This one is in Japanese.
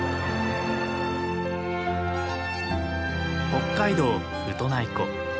北海道ウトナイ湖。